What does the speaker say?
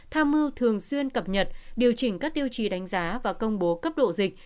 tham mưu thường xuyên cập nhật điều chỉnh các tiêu chí đánh giá và công bố cấp độ dịch